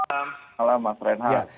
selamat malam mas renha